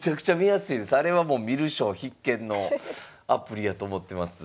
あれはもう観る将必見のアプリやと思ってます。